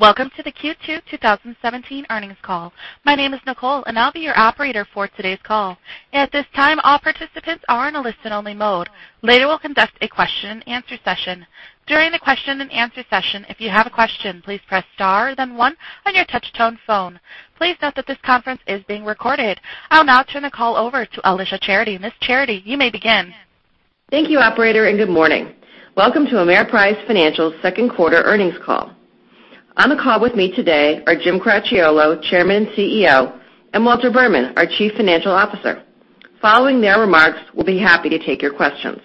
Welcome to the Q2 2017 earnings call. My name is Nicole, and I'll be your operator for today's call. At this time, all participants are in a listen-only mode. Later, we'll conduct a question and answer session. During the question and answer session, if you have a question, please press star, then one on your touchtone phone. Please note that this conference is being recorded. I'll now turn the call over to Alicia Charity. Ms. Charity, you may begin. Thank you, operator, and good morning. Welcome to Ameriprise Financial's second quarter earnings call. On the call with me today are Jim Cracchiolo, Chairman and CEO; and Walter Berman, our Chief Financial Officer. Following their remarks, we'll be happy to take your questions.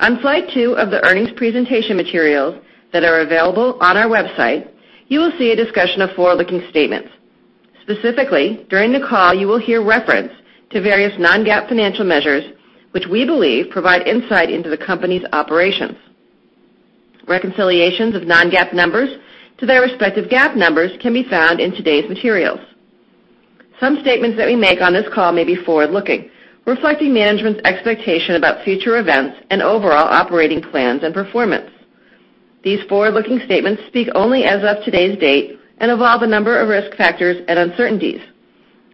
On slide two of the earnings presentation materials that are available on our website, you will see a discussion of forward-looking statements. Specifically, during the call, you will hear reference to various non-GAAP financial measures, which we believe provide insight into the company's operations. Reconciliations of non-GAAP numbers to their respective GAAP numbers can be found in today's materials. Some statements that we make on this call may be forward-looking, reflecting management's expectation about future events and overall operating plans and performance. These forward-looking statements speak only as of today's date and involve a number of risk factors and uncertainties.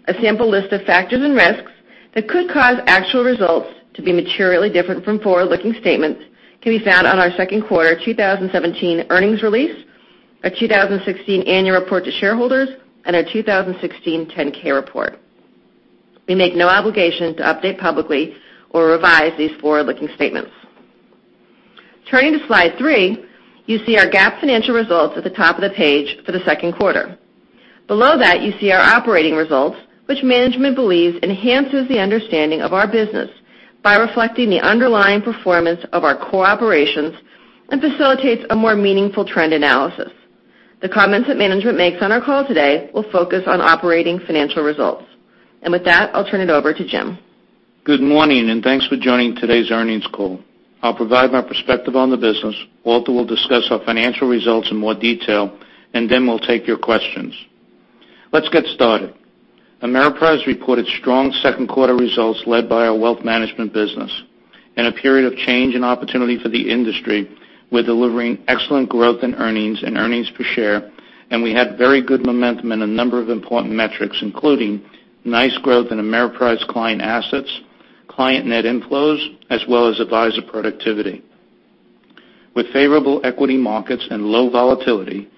A sample list of factors and risks that could cause actual results to be materially different from forward-looking statements can be found on our second quarter 2017 earnings release, our 2016 annual report to shareholders, and our 2016 10-K report. We make no obligation to update publicly or revise these forward-looking statements. Turning to slide three, you see our GAAP financial results at the top of the page for the second quarter. Below that, you see our operating results, which management believes enhances the understanding of our business by reflecting the underlying performance of our core operations and facilitates a more meaningful trend analysis. The comments that management makes on our call today will focus on operating financial results. With that, I'll turn it over to Jim. Good morning, and thanks for joining today's earnings call. I'll provide my perspective on the business. Walter will discuss our financial results in more detail, and then we'll take your questions. Let's get started. Ameriprise reported strong second quarter results led by our wealth management business. In a period of change and opportunity for the industry, we're delivering excellent growth in earnings and earnings per share, and we had very good momentum in a number of important metrics, including nice growth in Ameriprise client assets, client net inflows, as well as advisor productivity. With favorable equity markets and low volatility,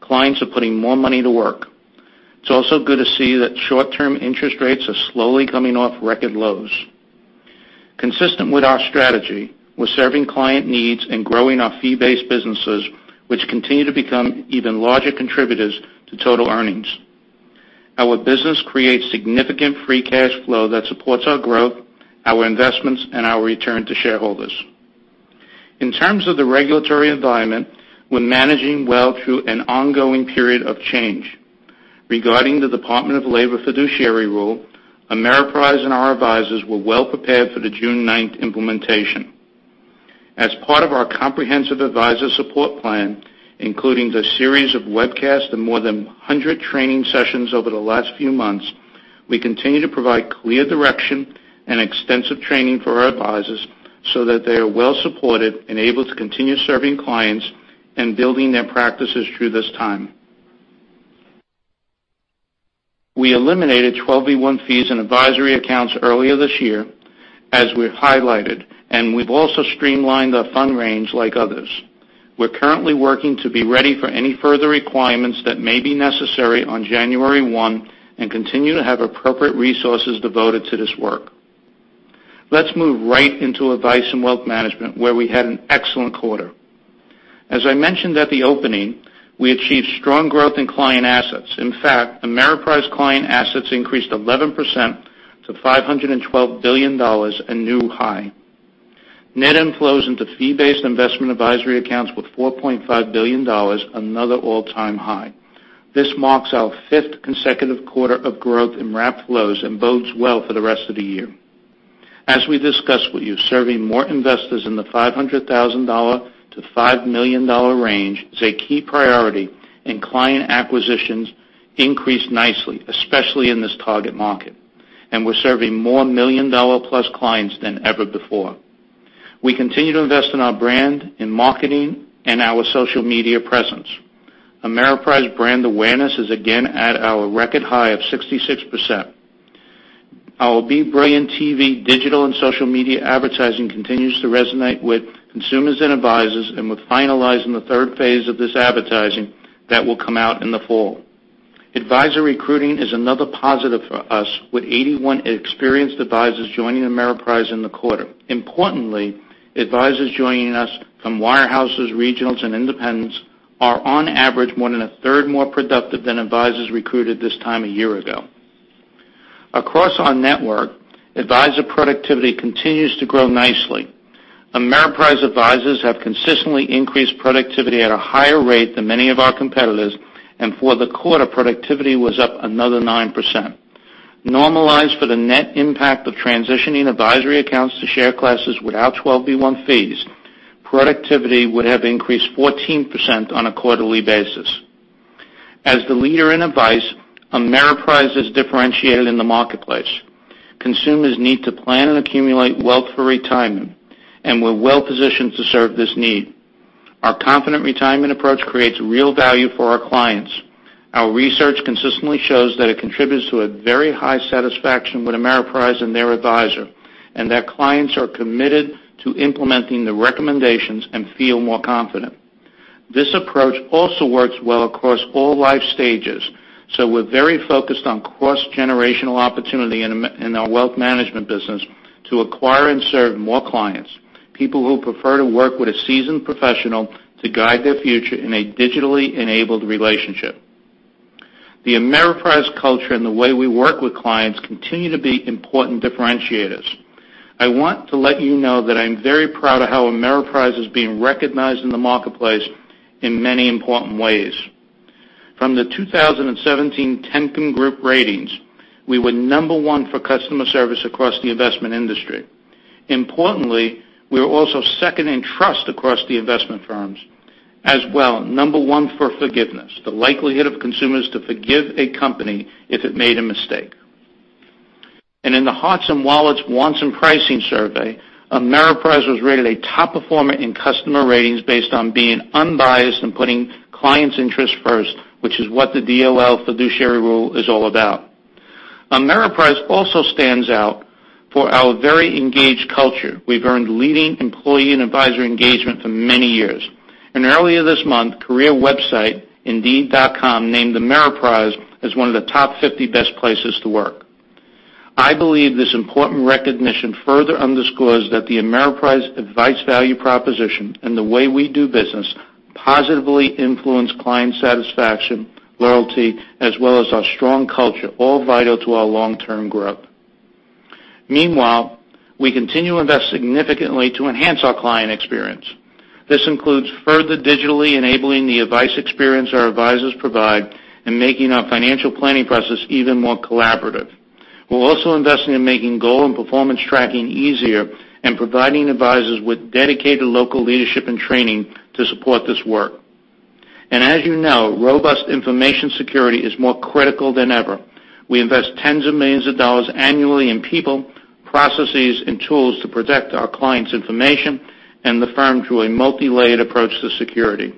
clients are putting more money to work. It's also good to see that short-term interest rates are slowly coming off record lows. Consistent with our strategy, we're serving client needs and growing our fee-based businesses, which continue to become even larger contributors to total earnings. Our business creates significant free cash flow that supports our growth, our investments, and our return to shareholders. In terms of the regulatory environment, we're managing well through an ongoing period of change. Regarding the Department of Labor fiduciary rule, Ameriprise and our advisors were well prepared for the June 9th implementation. As part of our comprehensive advisor support plan, including the series of webcasts and more than 100 training sessions over the last few months, we continue to provide clear direction and extensive training for our advisors so that they are well supported and able to continue serving clients and building their practices through this time. We eliminated 12b-1 fees in advisory accounts earlier this year, as we've highlighted, and we've also streamlined our fund range like others. We're currently working to be ready for any further requirements that may be necessary on January 1 and continue to have appropriate resources devoted to this work. Let's move right into Advice & Wealth Management, where we had an excellent quarter. As I mentioned at the opening, we achieved strong growth in client assets. In fact, Ameriprise client assets increased 11% to $512 billion, a new high. Net inflows into fee-based investment advisory accounts were $4.5 billion, another all-time high. This marks our fifth consecutive quarter of growth in wrap flows and bodes well for the rest of the year. As we discussed with you, serving more investors in the $500,000-$5 million range is a key priority, and client acquisitions increased nicely, especially in this target market. We're serving more million-dollar-plus clients than ever before. We continue to invest in our brand, in marketing, and our social media presence. Ameriprise brand awareness is again at our record high of 66%. Our Be Brilliant TV, digital, and social media advertising continues to resonate with consumers and advisors. We're finalizing the third phase of this advertising that will come out in the fall. Advisor recruiting is another positive for us, with 81 experienced advisors joining Ameriprise in the quarter. Importantly, advisors joining us from wirehouses, regionals, and independents are on average more than a third more productive than advisors recruited this time a year ago. Across our network, advisor productivity continues to grow nicely. Ameriprise advisors have consistently increased productivity at a higher rate than many of our competitors, for the quarter, productivity was up another 9%. Normalized for the net impact of transitioning advisory accounts to share classes without 12b-1 fees, productivity would have increased 14% on a quarterly basis. As the leader in advice, Ameriprise is differentiated in the marketplace. Consumers need to plan and accumulate wealth for retirement. We're well-positioned to serve this need. Our confident retirement approach creates real value for our clients. Our research consistently shows that it contributes to a very high satisfaction with Ameriprise and their advisor, clients are committed to implementing the recommendations and feel more confident. This approach also works well across all life stages. We're very focused on cross-generational opportunity in our wealth management business to acquire and serve more clients, people who prefer to work with a seasoned professional to guide their future in a digitally-enabled relationship. The Ameriprise culture and the way we work with clients continue to be important differentiators. I want to let you know that I'm very proud of how Ameriprise is being recognized in the marketplace in many important ways. From the 2017 Temkin Group ratings, we were number one for customer service across the investment industry. Importantly, we were also second in trust across the investment firms. As well, number one for forgiveness, the likelihood of consumers to forgive a company if it made a mistake. In the Hearts & Wallets Wants and Pricing Survey, Ameriprise was rated a top performer in customer ratings based on being unbiased and putting clients' interests first, which is what the DOL fiduciary rule is all about. Ameriprise also stands out for our very engaged culture. We've earned leading employee and advisor engagement for many years. Earlier this month, career website indeed.com named Ameriprise as one of the top 50 best places to work. I believe this important recognition further underscores that the Ameriprise advice value proposition and the way we do business positively influence client satisfaction, loyalty, as well as our strong culture, all vital to our long-term growth. Meanwhile, we continue to invest significantly to enhance our client experience. This includes further digitally enabling the advice experience our advisors provide and making our financial planning process even more collaborative. We're also investing in making goal and performance tracking easier and providing advisors with dedicated local leadership and training to support this work. As you know, robust information security is more critical than ever. We invest tens of millions of dollars annually in people, processes, and tools to protect our clients' information and the firm through a multi-layered approach to security.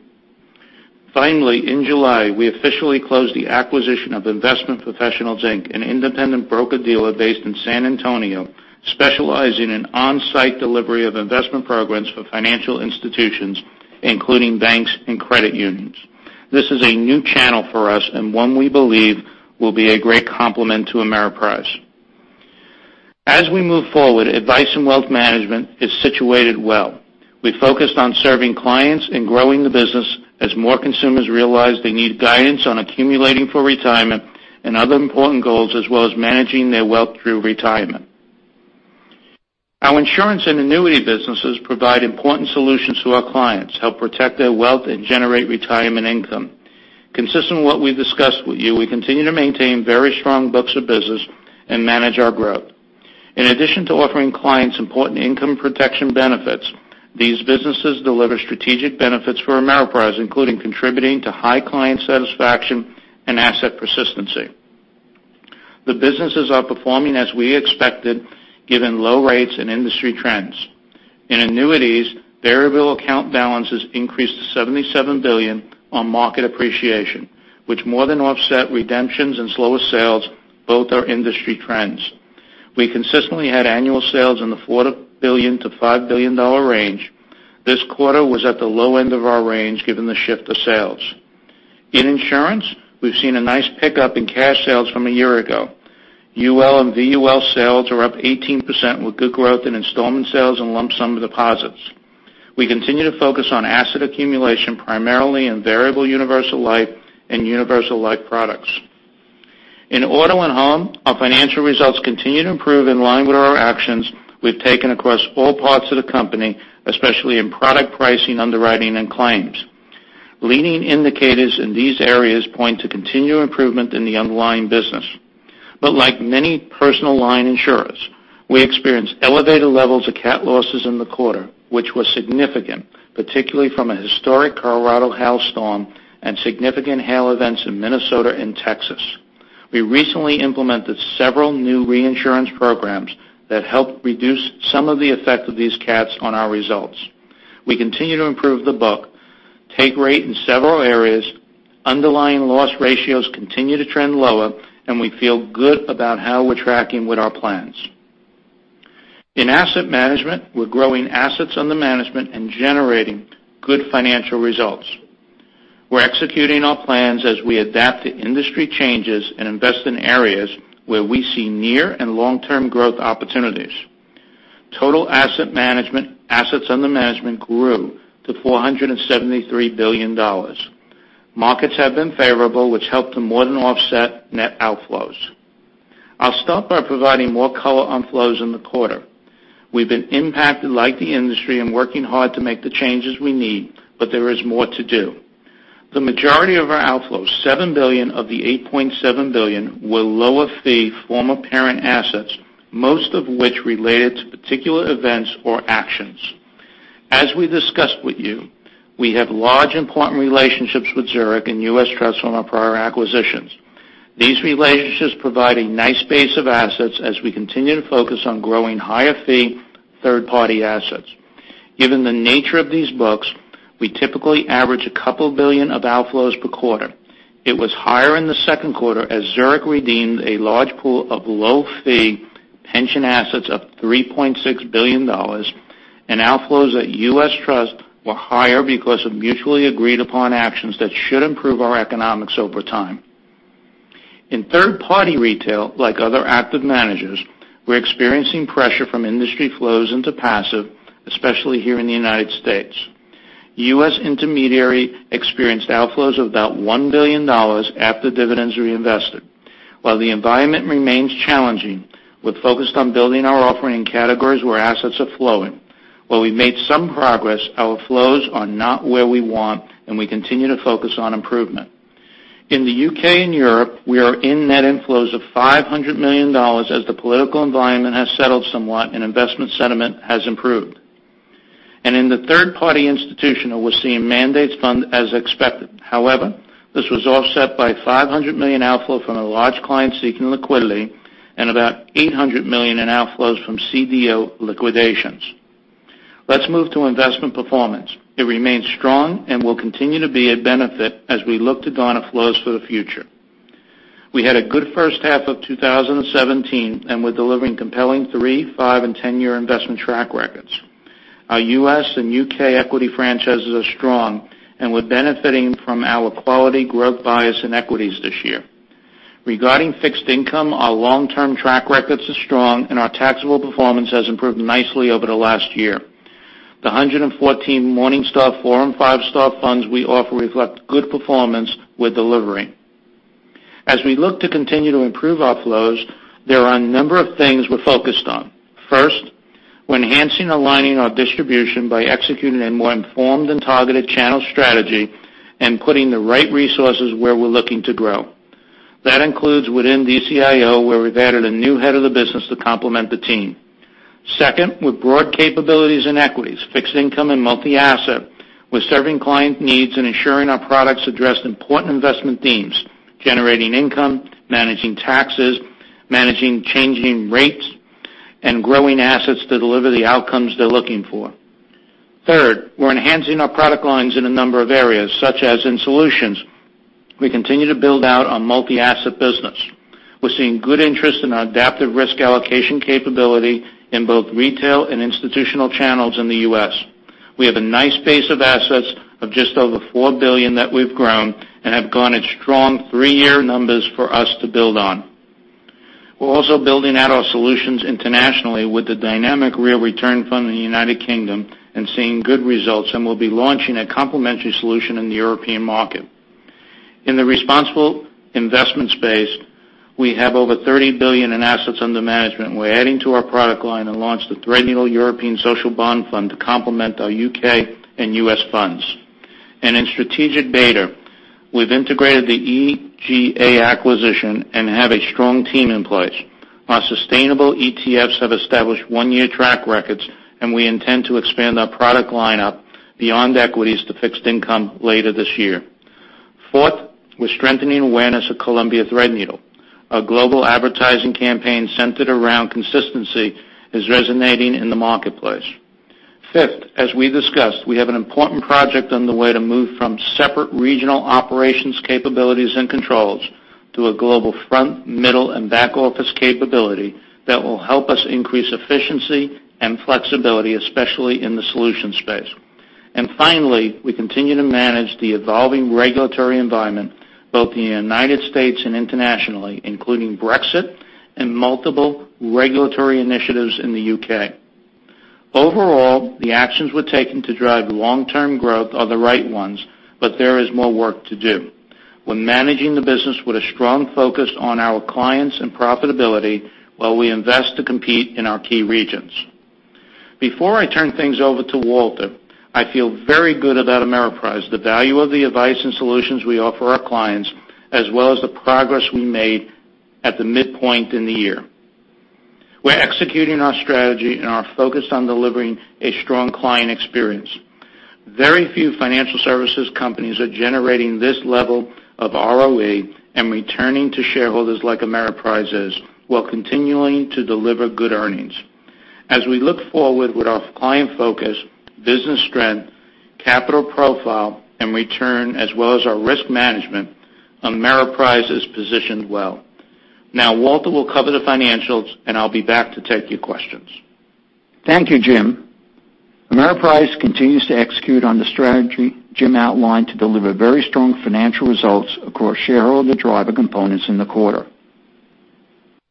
Finally, in July, we officially closed the acquisition of Investment Professionals Inc., an independent broker-dealer based in San Antonio, specializing in on-site delivery of investment programs for financial institutions, including banks and credit unions. This is a new channel for us and one we believe will be a great complement to Ameriprise. As we move forward, Advice & Wealth Management is situated well. We focused on serving clients and growing the business as more consumers realize they need guidance on accumulating for retirement and other important goals as well as managing their wealth through retirement. Our insurance and annuity businesses provide important solutions to our clients, help protect their wealth, and generate retirement income. Consistent with what we've discussed with you, we continue to maintain very strong books of business and manage our growth. In addition to offering clients important income protection benefits, these businesses deliver strategic benefits for Ameriprise, including contributing to high client satisfaction and asset persistency. The businesses are performing as we expected, given low rates and industry trends. In annuities, variable account balances increased to $77 billion on market appreciation, which more than offset redemptions and slower sales, both are industry trends. We consistently had annual sales in the $4 billion-$5 billion range. This quarter was at the low end of our range, given the shift of sales. In insurance, we've seen a nice pickup in cash sales from a year ago. UL and VUL sales are up 18% with good growth in installment sales and lump sum deposits. We continue to focus on asset accumulation, primarily in variable universal life and universal life products. In auto and home, our financial results continue to improve in line with our actions we've taken across all parts of the company, especially in product pricing, underwriting, and claims. Leading indicators in these areas point to continued improvement in the underlying business. Like many personal line insurers, we experienced elevated levels of cat losses in the quarter, which were significant, particularly from a historic Colorado hail storm and significant hail events in Minnesota and Texas. We recently implemented several new reinsurance programs that help reduce some of the effect of these cats on our results. We continue to improve the book, take rate in several areas, underlying loss ratios continue to trend lower, and we feel good about how we're tracking with our plans. In asset management, we're growing assets under management and generating good financial results. We're executing our plans as we adapt to industry changes and invest in areas where we see near and long-term growth opportunities. Total asset management, assets under management grew to $473 billion. Markets have been favorable, which helped to more than offset net outflows. I'll start by providing more color on flows in the quarter. We've been impacted like the industry and working hard to make the changes we need, but there is more to do. The majority of our outflows, $7 billion of the $8.7 billion, were lower fee former parent assets, most of which related to particular events or actions. As we discussed with you, we have large important relationships with Zurich and U.S. Trust from our prior acquisitions. These relationships provide a nice base of assets as we continue to focus on growing higher fee third-party assets. Given the nature of these books, we typically average a couple billion of outflows per quarter. It was higher in the second quarter as Zurich redeemed a large pool of low-fee pension assets of $3.6 billion, and outflows at U.S. Trust were higher because of mutually agreed upon actions that should improve our economics over time. In third-party retail, like other active managers, we're experiencing pressure from industry flows into passive, especially here in the United States. U.S. intermediary experienced outflows of about $1 billion after dividends reinvested. While the environment remains challenging, we're focused on building our offering in categories where assets are flowing. While we've made some progress, our flows are not where we want, and we continue to focus on improvement. In the U.K. and Europe, we are in net inflows of $500 million as the political environment has settled somewhat and investment sentiment has improved. In the third party institutional, we're seeing mandates fund as expected. However, this was offset by $500 million outflow from a large client seeking liquidity and about $800 million in outflows from CDO liquidations. Let's move to investment performance. It remains strong and will continue to be a benefit as we look to garner flows for the future. We had a good first half of 2017, and we're delivering compelling three, five, and 10-year investment track records. Our U.S. and U.K. equity franchises are strong, and we're benefiting from our quality growth bias in equities this year. Regarding fixed income, our long-term track records are strong, and our taxable performance has improved nicely over the last year. The 114 Morningstar four and five-star funds we offer reflect good performance we're delivering. As we look to continue to improve our flows, there are a number of things we're focused on. First, we're enhancing aligning our distribution by executing a more informed and targeted channel strategy and putting the right resources where we're looking to grow. That includes within DCIO, where we've added a new head of the business to complement the team. Second, with broad capabilities in equities, fixed income, and multi-asset, we're serving client needs and ensuring our products address important investment themes: generating income, managing taxes, managing changing rates, and growing assets to deliver the outcomes they're looking for. Third, we're enhancing our product lines in a number of areas, such as in solutions. We continue to build out on multi-asset business. We're seeing good interest in our adaptive risk allocation capability in both retail and institutional channels in the U.S. We have a nice base of assets of just over $4 billion that we've grown and have garnered strong three-year numbers for us to build on. We're also building out our solutions internationally with the Dynamic Real Return Fund in the United Kingdom and seeing good results, and we'll be launching a complementary solution in the European market. In the responsible investment space, we have over $30 billion in assets under management, and we're adding to our product line and launched the Threadneedle European Social Bond Fund to complement our U.K. and U.S. funds. In strategic beta, we've integrated the EGA acquisition and have a strong team in place. Our sustainable ETFs have established one-year track records, and we intend to expand our product line-up beyond equities to fixed income later this year. Fourth, we're strengthening awareness of Columbia Threadneedle. Our global advertising campaign centered around consistency is resonating in the marketplace. Fifth, as we discussed, we have an important project underway to move from separate regional operations capabilities and controls to a global front, middle, and back-office capability that will help us increase efficiency and flexibility, especially in the solution space. Finally, we continue to manage the evolving regulatory environment, both in the United States and internationally, including Brexit and multiple regulatory initiatives in the U.K. Overall, the actions we're taking to drive long-term growth are the right ones, but there is more work to do. We're managing the business with a strong focus on our clients and profitability while we invest to compete in our key regions. Before I turn things over to Walter, I feel very good about Ameriprise, the value of the advice and solutions we offer our clients, as well as the progress we made at the midpoint in the year. We're executing our strategy and are focused on delivering a strong client experience. Very few financial services companies are generating this level of ROE and returning to shareholders like Ameriprise is while continuing to deliver good earnings. As we look forward with our client focus, business strength, capital profile, and return, as well as our risk management, Ameriprise is positioned well. Walter will cover the financials, and I'll be back to take your questions. Thank you, Jim. Ameriprise continues to execute on the strategy Jim outlined to deliver very strong financial results across shareholder driver components in the quarter.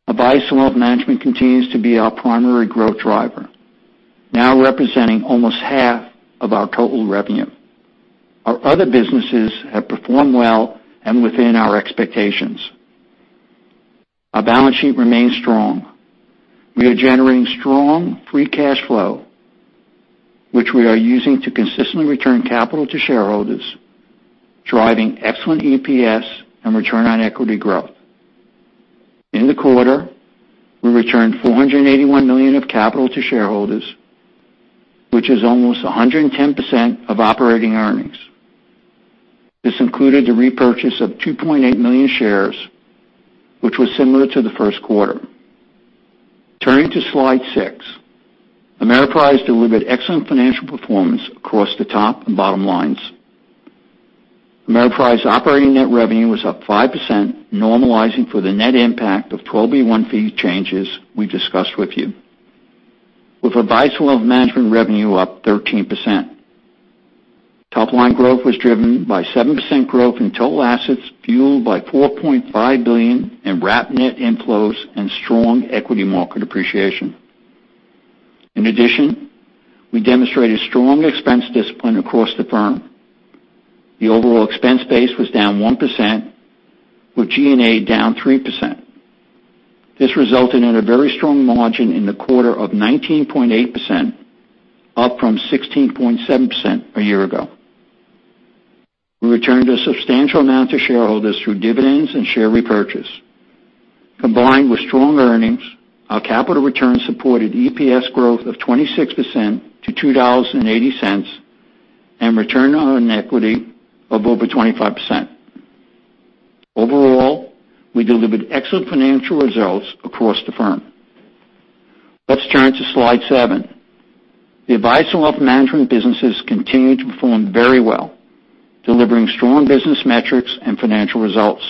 Advice Wealth Management continues to be our primary growth driver, now representing almost half of our total revenue. Our other businesses have performed well and within our expectations. Our balance sheet remains strong. We are generating strong free cash flow, which we are using to consistently return capital to shareholders, driving excellent EPS and return on equity growth. In the quarter, we returned $481 million of capital to shareholders, which is almost 110% of operating earnings. This included the repurchase of 2.8 million shares, which was similar to the first quarter. Turning to slide six, Ameriprise delivered excellent financial performance across the top and bottom lines. Ameriprise operating net revenue was up 5%, normalizing for the net impact of 12b-1 fee changes we discussed with you, with Advisory Wealth Management revenue up 13%. Top-line growth was driven by 7% growth in total assets, fueled by $4.5 billion in wrap net inflows and strong equity market appreciation. In addition, we demonstrated strong expense discipline across the firm. The overall expense base was down 1%, with G&A down 3%. This resulted in a very strong margin in the quarter of 19.8%, up from 16.7% a year ago. We returned a substantial amount to shareholders through dividends and share repurchase. Combined with strong earnings, our capital return supported EPS growth of 26% to $2.80, and return on equity of over 25%. Overall, we delivered excellent financial results across the firm. Let's turn to slide seven. The Advisory Wealth Management businesses continued to perform very well, delivering strong business metrics and financial results.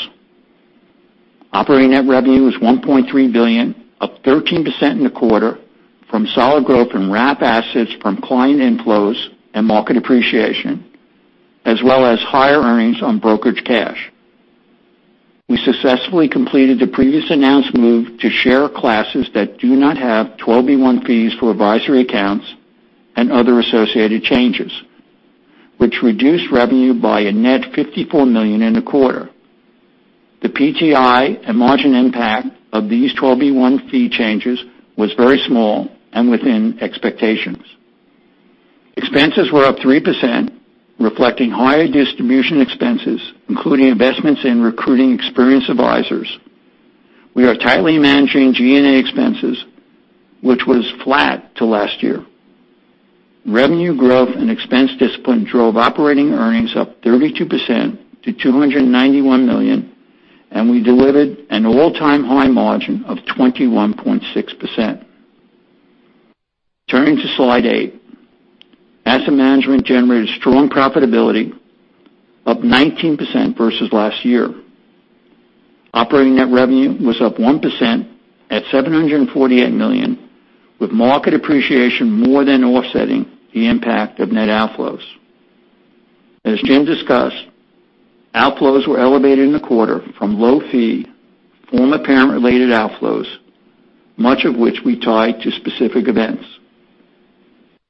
Operating net revenue was $1.3 billion, up 13% in the quarter from solid growth in wrap assets from client inflows and market appreciation, as well as higher earnings on brokerage cash. We successfully completed the previously announced move to share classes that do not have 12b-1 fees for advisory accounts and other associated changes, which reduced revenue by a net $54 million in the quarter. The PTI and margin impact of these 12b-1 fee changes was very small and within expectations. Expenses were up 3%, reflecting higher distribution expenses, including investments in recruiting experienced advisors. We are tightly managing G&A expenses, which was flat to last year. Revenue growth and expense discipline drove operating earnings up 32% to $291 million, and we delivered an all-time high margin of 21.6%. Turning to slide eight. Asset Management generated strong profitability, up 19% versus last year. Operating net revenue was up 1% at $748 million, with market appreciation more than offsetting the impact of net outflows. As Jim discussed, outflows were elevated in the quarter from low-fee, former parent-related outflows, much of which we tied to specific events.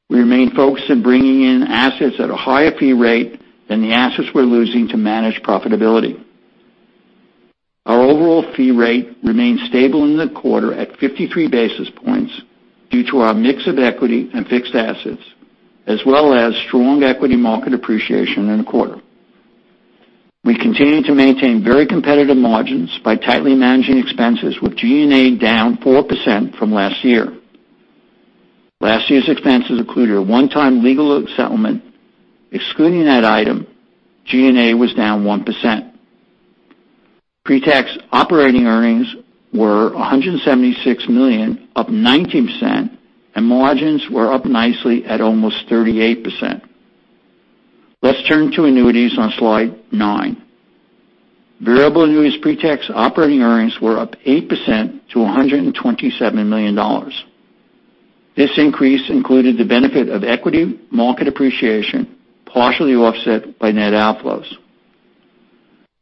We remain focused on bringing in assets at a higher fee rate than the assets we're losing to manage profitability. Our overall fee rate remained stable in the quarter at 53 basis points due to our mix of equity and fixed assets, as well as strong equity market appreciation in the quarter. We continue to maintain very competitive margins by tightly managing expenses, with G&A down 4% from last year. Last year's expenses included a one-time legal settlement. Excluding that item, G&A was down 1%. Pre-tax operating earnings were $176 million, up 19%, and margins were up nicely at almost 38%. Let's turn to annuities on slide nine. Variable annuities pre-tax operating earnings were up 8% to $127 million. This increase included the benefit of equity market appreciation, partially offset by net outflows.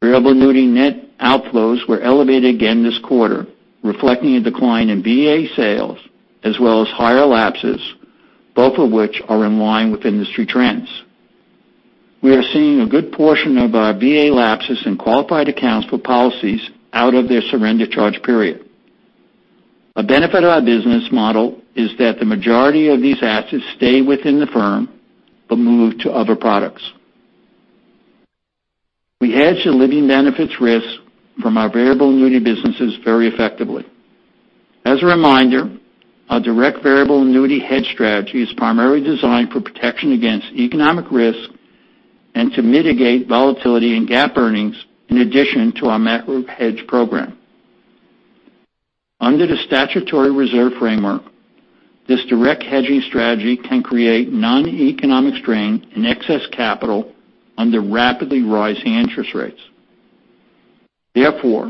Variable annuity net outflows were elevated again this quarter, reflecting a decline in VA sales as well as higher lapses, both of which are in line with industry trends. We are seeing a good portion of our VA lapses in qualified accounts for policies out of their surrender charge period. A benefit of our business model is that the majority of these assets stay within the firm but move to other products. We hedge the living benefits risk from our variable annuity businesses very effectively. As a reminder, our direct variable annuity hedge strategy is primarily designed for protection against economic risk and to mitigate volatility in GAAP earnings in addition to our macro hedge program. Under the statutory reserve framework, this direct hedging strategy can create noneconomic strain in excess capital under rapidly rising interest rates. Therefore,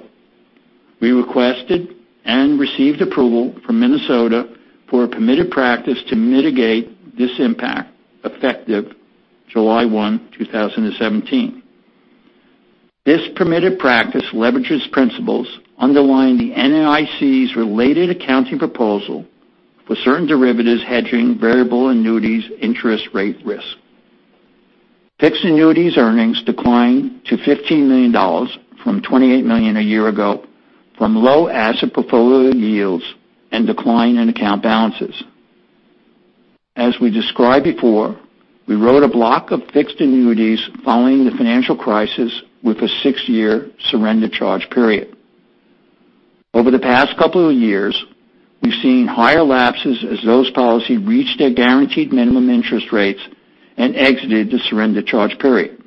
we requested and received approval from Minnesota for a permitted practice to mitigate this impact, effective July 1, 2017. This permitted practice leverages principles underlying the NAIC's related accounting proposal for certain derivatives hedging variable annuities interest rate risk. Fixed annuities earnings declined to $15 million from $28 million a year ago from low asset portfolio yields and decline in account balances. As we described before, we wrote a block of fixed annuities following the financial crisis with a six-year surrender charge period. Over the past couple of years, we've seen higher lapses as those policies reached their guaranteed minimum interest rates and exited the surrender charge period.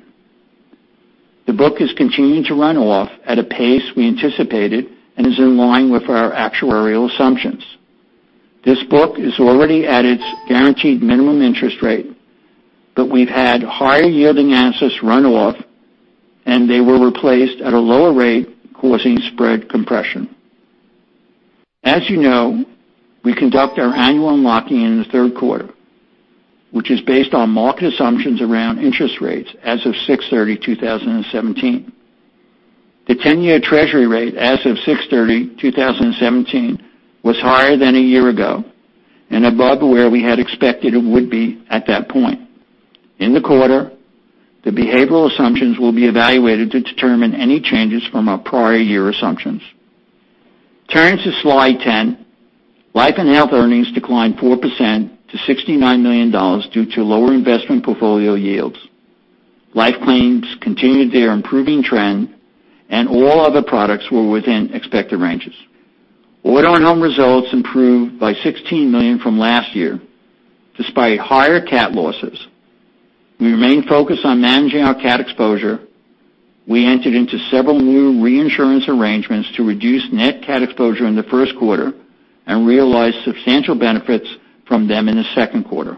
The book is continuing to run off at a pace we anticipated and is in line with our actuarial assumptions. This book is already at its guaranteed minimum interest rate, we've had higher yielding assets run off, and they were replaced at a lower rate, causing spread compression. As you know, we conduct our annual unlocking in the third quarter, which is based on market assumptions around interest rates as of 6/30/2017. The 10-year treasury rate as of 6/30/2017 was higher than a year ago and above where we had expected it would be at that point. In the quarter, the behavioral assumptions will be evaluated to determine any changes from our prior year assumptions. Turning to slide 10, life and health earnings declined 4% to $69 million due to lower investment portfolio yields. Life claims continued their improving trend, and all other products were within expected ranges. Our home results improved by $16 million from last year despite higher cat losses. We remain focused on managing our cat exposure. We entered into several new reinsurance arrangements to reduce net cat exposure in the first quarter and realized substantial benefits from them in the second quarter.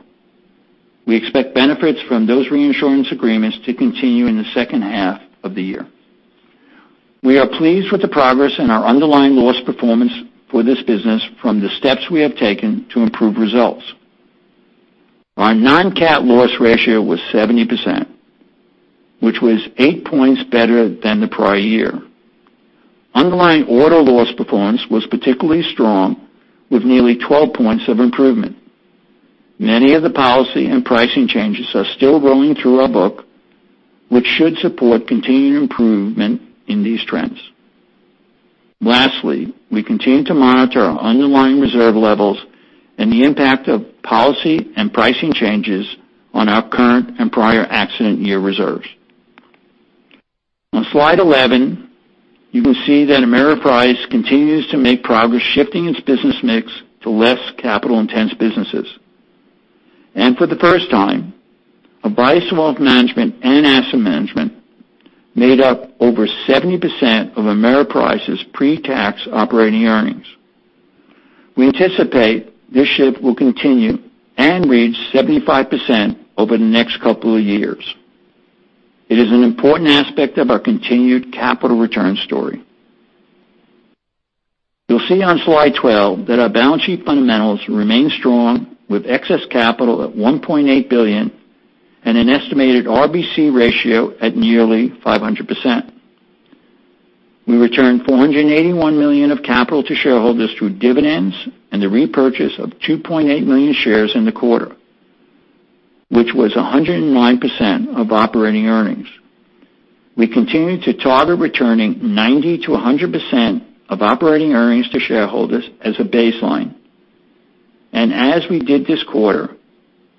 We expect benefits from those reinsurance agreements to continue in the second half of the year. We are pleased with the progress in our underlying loss performance for this business from the steps we have taken to improve results. Our non-cat loss ratio was 70%, which was eight points better than the prior year. Underlying auto loss performance was particularly strong, with nearly 12 points of improvement. Many of the policy and pricing changes are still rolling through our book, which should support continued improvement in these trends. Lastly, we continue to monitor our underlying reserve levels and the impact of policy and pricing changes on our current and prior accident year reserves. On slide 11, you can see that Ameriprise continues to make progress shifting its business mix to less capital intense businesses. For the first time, Advice & Wealth Management and Asset Management made up over 70% of Ameriprise's pre-tax operating earnings. We anticipate this shift will continue and reach 75% over the next couple of years. It is an important aspect of our continued capital return story. You'll see on slide 12 that our balance sheet fundamentals remain strong with excess capital at $1.8 billion and an estimated RBC ratio at nearly 500%. We returned $481 million of capital to shareholders through dividends and the repurchase of 2.8 million shares in the quarter, which was 109% of operating earnings. We continue to target returning 90%-100% of operating earnings to shareholders as a baseline. As we did this quarter,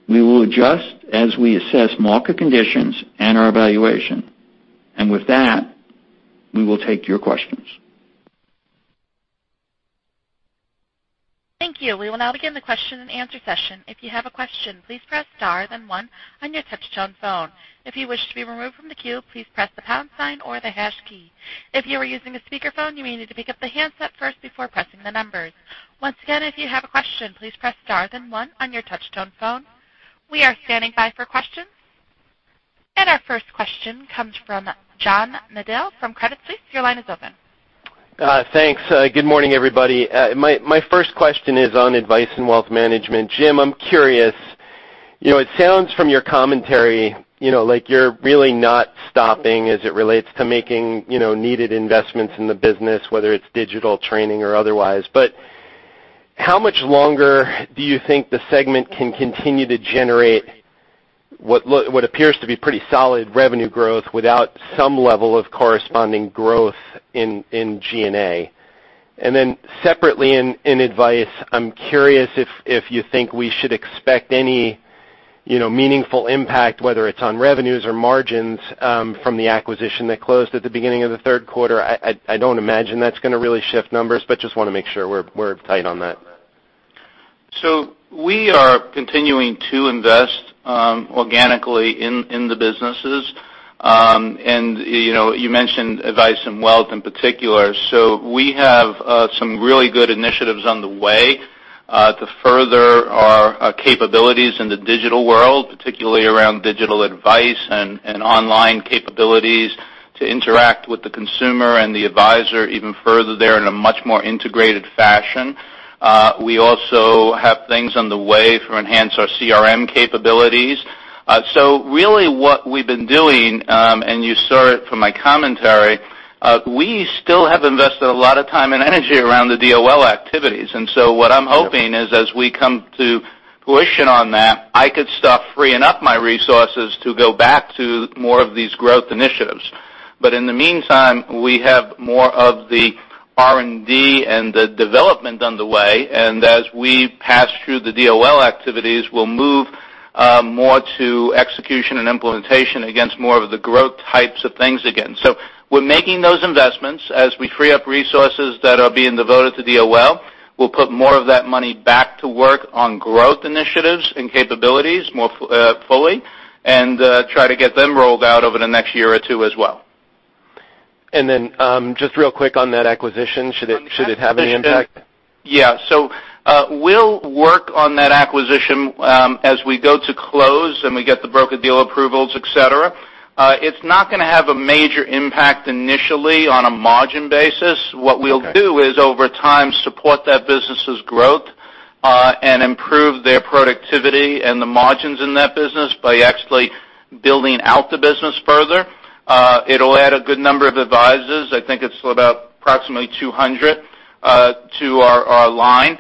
we will adjust as we assess market conditions and our evaluation. With that, we will take your questions. Thank you. We will now begin the question and answer session. If you have a question, please press star, then one on your touchtone phone. If you wish to be removed from the queue, please press the pound sign or the hash key. If you are using a speakerphone, you may need to pick up the handset first before pressing the numbers. Once again, if you have a question, please press star, then one on your touchtone phone. We are standing by for questions. Our first question comes from John Nadel from Credit Suisse. Your line is open. Thanks. Good morning, everybody. My first question is on Advice & Wealth Management. Jim, I'm curious, it sounds from your commentary like you're really not stopping as it relates to making needed investments in the business, whether it's digital training or otherwise. How much longer do you think the segment can continue to generate what appears to be pretty solid revenue growth without some level of corresponding growth in G&A? Separately in Advice, I'm curious if you think we should expect any meaningful impact, whether it's on revenues or margins, from the acquisition that closed at the beginning of the third quarter. I don't imagine that's going to really shift numbers, but just want to make sure we're tight on that. We are continuing to invest organically in the businesses. You mentioned Advice and Wealth in particular. We have some really good initiatives on the way to further our capabilities in the digital world, particularly around digital advice and online capabilities to interact with the consumer and the advisor even further there in a much more integrated fashion. We also have things on the way to enhance our CRM capabilities. Really what we've been doing, and you saw it from my commentary, we still have invested a lot of time and energy around the DOL activities. What I'm hoping is as we come to fruition on that, I could start freeing up my resources to go back to more of these growth initiatives. In the meantime, we have more of the R&D and the development underway, and as we pass through the DOL activities, we'll move more to execution and implementation against more of the growth types of things again. We're making those investments. As we free up resources that are being devoted to DOL, we'll put more of that money back to work on growth initiatives and capabilities more fully, and try to get them rolled out over the next year or two as well. Just real quick on that acquisition, should it have any impact? Yeah. We'll work on that acquisition as we go to close and we get the broker-dealer approvals, et cetera. It's not going to have a major impact initially on a margin basis. Okay. What we'll do is, over time, support that business's growth, and improve their productivity and the margins in that business by actually building out the business further. It'll add a good number of advisors, I think it's about approximately 200 to our line.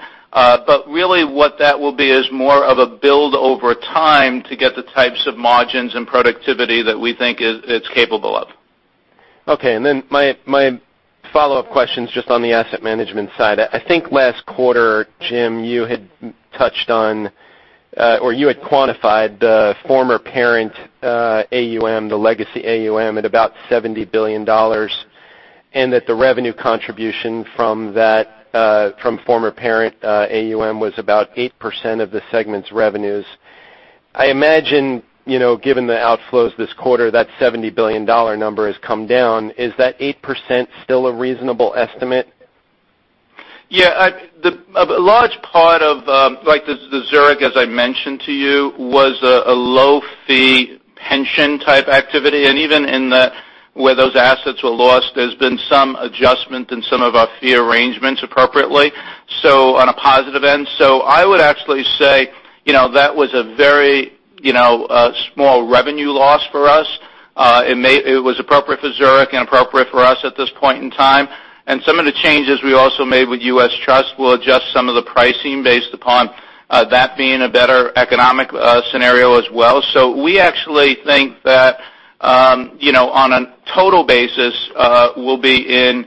Really what that will be is more of a build over time to get the types of margins and productivity that we think it's capable of. Okay, my follow-up question's just on the asset management side. I think last quarter, Jim, you had touched on, or you had quantified the former parent AUM, the legacy AUM, at about $70 billion, and that the revenue contribution from former parent AUM was about 8% of the segment's revenues. I imagine, given the outflows this quarter, that $70 billion number has come down. Is that 8% still a reasonable estimate? Yeah. A large part of the Zurich, as I mentioned to you, was a low-fee pension-type activity. Even where those assets were lost, there's been some adjustment in some of our fee arrangements appropriately, on a positive end. I would actually say, that was a very small revenue loss for us. It was appropriate for Zurich and appropriate for us at this point in time. Some of the changes we also made with U.S. Trust will adjust some of the pricing based upon that being a better economic scenario as well. We actually think that, on a total basis, we'll be in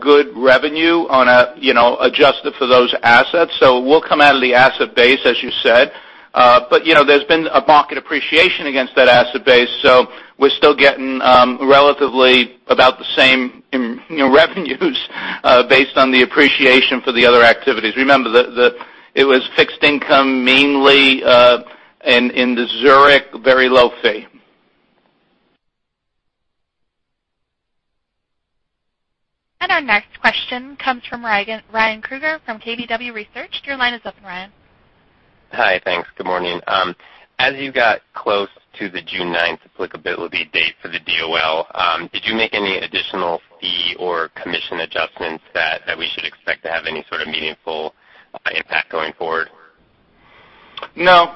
good revenue adjusted for those assets. We'll come out of the asset base, as you said. There's been a market appreciation against that asset base, we're still getting relatively about the same revenues based on the appreciation for the other activities. Remember, it was fixed income mainly, and in the Zurich, very low fee. Our next question comes from Ryan Krueger from KBW. Your line is open, Ryan. Hi, thanks. Good morning. As you got close to the June 9th applicability date for the DOL, did you make any additional fee or commission adjustments that we should expect to have any sort of meaningful impact going forward? No.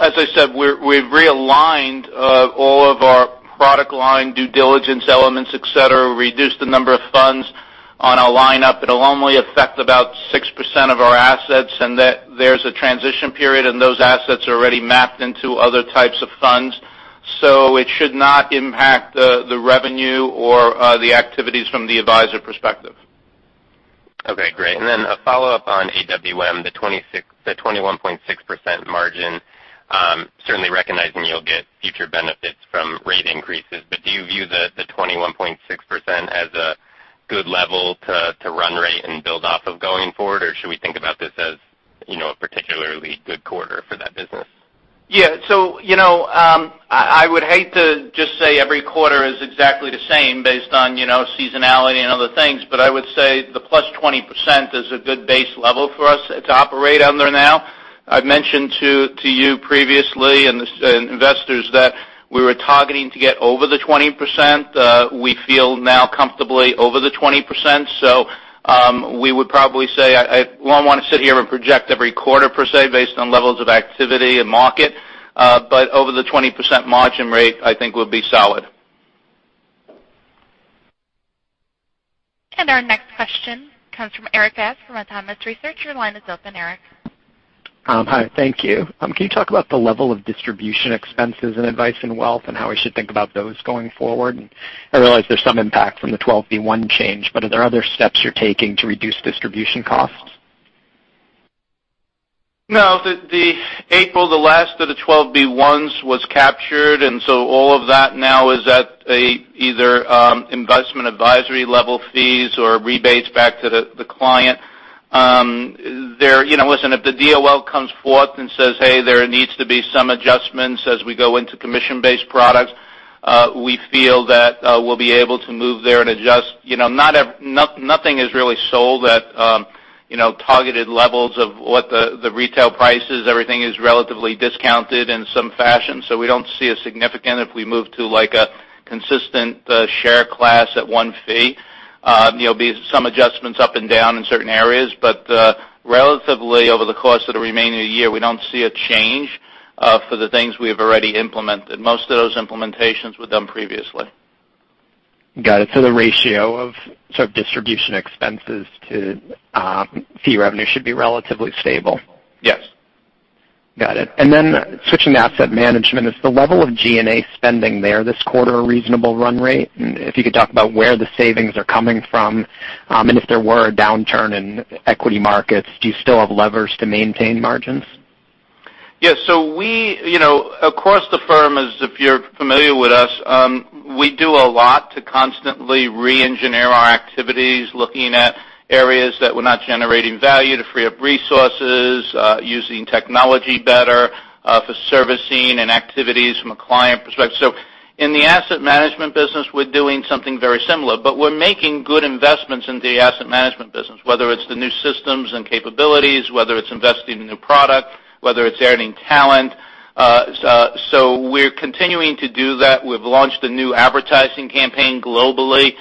As I said, we've realigned all of our product line due diligence elements, et cetera, reduced the number of funds on our lineup. It'll only affect about 6% of our assets, and there's a transition period, and those assets are already mapped into other types of funds. It should not impact the revenue or the activities from the advisor perspective. Okay, great. Then a follow-up on AWM, the 21.6% margin. Certainly recognizing you'll get future benefits from rate increases, but do you view the 21.6% as a good level to run rate and build off of going forward, or should we think about this as a particularly good quarter for that business? Yeah. I would hate to just say every quarter is exactly the same based on seasonality and other things, but I would say the +20% is a good base level for us to operate under now. I've mentioned to you previously, and investors, that we were targeting to get over the 20%. We feel now comfortably over the 20%, we would probably say I won't want to sit here and project every quarter per se based on levels of activity and market. Over the 20% margin rate, I think we'll be solid. Our next question comes from Erik Bass from Autonomous Research. Your line is open, Erik. Hi, thank you. Can you talk about the level of distribution expenses in Advice & Wealth, and how we should think about those going forward? I realize there's some impact from the 12b-1 change, but are there other steps you're taking to reduce distribution costs? No, the April, the last of the 12b-1s was captured, all of that now is at either investment advisory level fees or rebates back to the client. Listen, if the DOL comes forth and says, "Hey, there needs to be some adjustments as we go into commission-based products," we feel that we'll be able to move there and adjust. Nothing is really sold at targeted levels of what the retail price is. Everything is relatively discounted in some fashion. We don't see a significant, if we move to a consistent share class at one fee. There'll be some adjustments up and down in certain areas, but relatively over the course of the remaining year, we don't see a change for the things we have already implemented. Most of those implementations were done previously. Got it. The ratio of distribution expenses to fee revenue should be relatively stable? Yes. Got it. Switching to asset management, is the level of G&A spending there this quarter a reasonable run rate? If you could talk about where the savings are coming from, if there were a downturn in equity markets, do you still have levers to maintain margins? Yes. Across the firm, if you're familiar with us, we do a lot to constantly re-engineer our activities, looking at areas that were not generating value to free up resources, using technology better for servicing and activities from a client perspective. In the asset management business, we're doing something very similar, but we're making good investments in the asset management business, whether it's the new systems and capabilities, whether it's investing in new product, whether it's adding talent. We're continuing to do that. We've launched a new advertising campaign globally.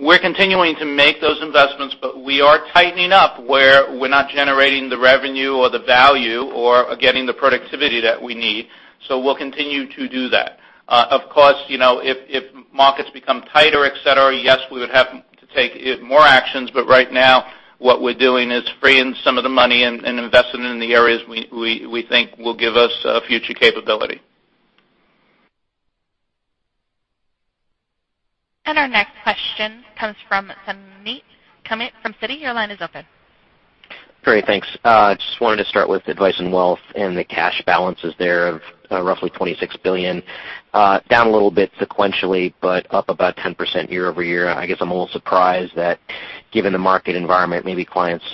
We're continuing to make those investments, but we are tightening up where we're not generating the revenue or the value, or getting the productivity that we need. We'll continue to do that. Of course, if markets become tighter, et cetera, yes, we would have to take more actions. Right now, what we're doing is freeing some of the money and investing it in the areas we think will give us future capability. Our next question comes from Suneet Kamath from Citi. Your line is open. Great. Thanks. Just wanted to start with Advice & Wealth and the cash balances there of roughly $26 billion. Down a little bit sequentially, but up about 10% year-over-year. I guess I'm a little surprised that given the market environment, maybe clients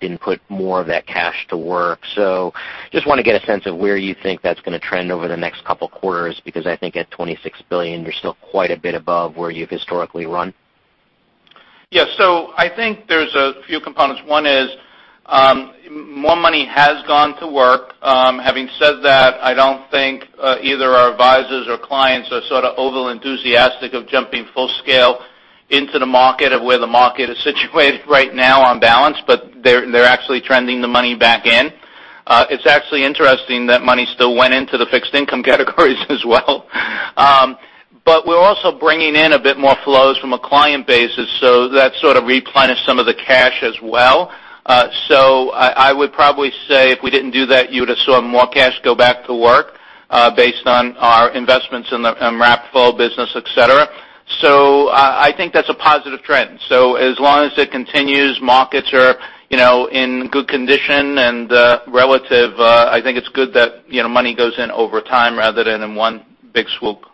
didn't put more of that cash to work. Just want to get a sense of where you think that's going to trend over the next couple of quarters, because I think at $26 billion, you're still quite a bit above where you've historically run. Yeah. I think there's a few components. One is more money has gone to work. Having said that, I don't think either our advisors or clients are sort of over-enthusiastic of jumping full scale into the market of where the market is situated right now on balance, but they're actually trending the money back in. It's actually interesting that money still went into the fixed income categories as well. We're also bringing in a bit more flows from a client basis, that sort of replenished some of the cash as well. I would probably say if we didn't do that, you would have saw more cash go back to work based on our investments in the wrapped flow business, et cetera. I think that's a positive trend. As long as it continues, markets are in good condition, and relative, I think it's good that money goes in over time rather than in one big swoop.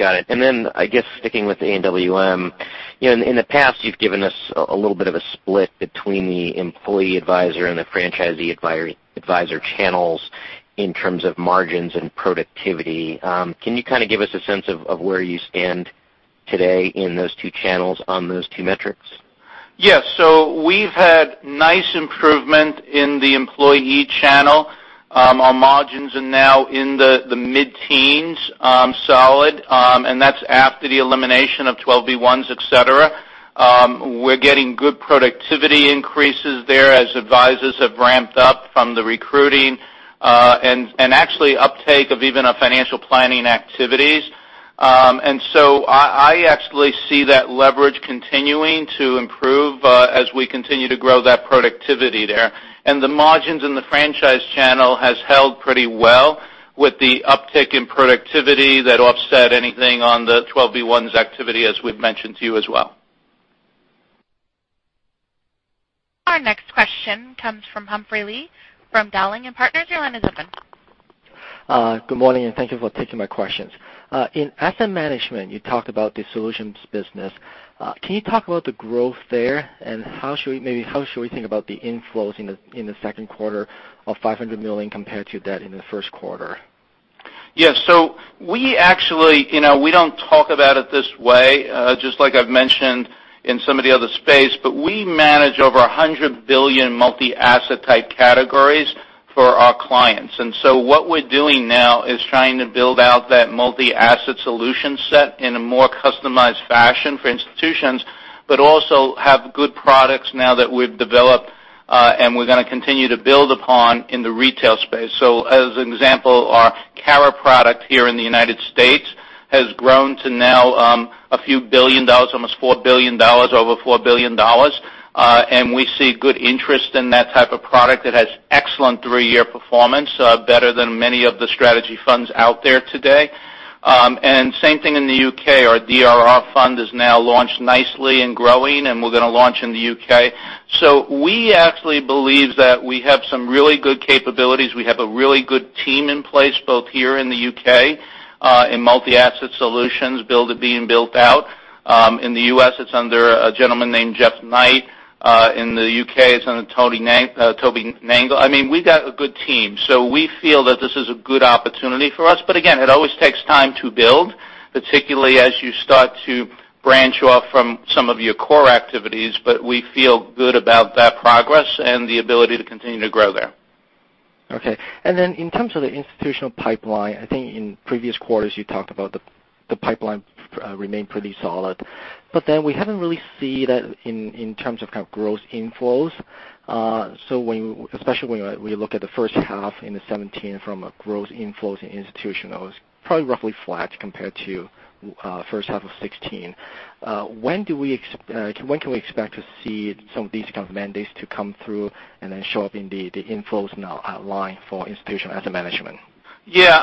Got it. I guess sticking with A&WM, in the past, you've given us a little bit of a split between the employee advisor and the franchisee advisor channels in terms of margins and productivity. Can you kind of give us a sense of where you stand today in those two channels on those two metrics? Yeah. We've had nice improvement in the employee channel. Our margins are now in the mid-teens, solid, and that's after the elimination of 12b-1s, et cetera. We're getting good productivity increases there as advisors have ramped up from the recruiting, and actually uptake of even our financial planning activities. I actually see that leverage continuing to improve as we continue to grow that productivity there. The margins in the franchise channel has held pretty well with the uptick in productivity that offset anything on the 12b-1's activity as we've mentioned to you as well. Our next question comes from Humphrey Lee from Dowling & Partners. Your line is open. Good morning, and thank you for taking my questions. In asset management, you talked about the solutions business. Can you talk about the growth there, and maybe how should we think about the inflows in the second quarter of $500 million compared to that in the first quarter? Yeah. We don't talk about it this way, just like I've mentioned in some of the other space, we manage over $100 billion multi-asset type categories for our clients. What we're doing now is trying to build out that multi-asset solution set in a more customized fashion for institutions, also have good products now that we've developed, and we're going to continue to build upon in the retail space. As an example, our CARA product here in the U.S. has grown to now a few billion dollars, almost $4 billion, over $4 billion. We see good interest in that type of product that has excellent 3-year performance, better than many of the strategy funds out there today. Same thing in the U.K. Our DRR fund is now launched nicely and growing, and we're going to launch in the U.K. We actually believe that we have some really good capabilities. We have a really good team in place, both here in the U.K. in multi-asset solutions being built out. In the U.S., it's under a gentleman named Jeff Knight. In the U.K., it's under Toby Nangle. We got a good team. We feel that this is a good opportunity for us. Again, it always takes time to build, particularly as you start to branch off from some of your core activities. We feel good about that progress, and the ability to continue to grow there. Okay. In terms of the institutional pipeline, I think in previous quarters you talked about the pipeline remained pretty solid. We haven't really seen that in terms of gross inflows. Especially when we look at the first half in 2017 from a gross inflows in institutional, it's probably roughly flat compared to first half of 2016. When can we expect to see some of these mandates to come through and then show up in the inflows now outlined for institutional asset management? Yeah.